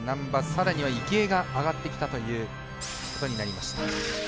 さらには池江が上がってきたということになりました。